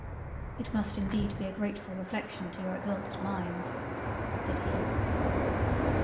"It must indeed be a most gratefull reflection, to your exalted minds." (said he.)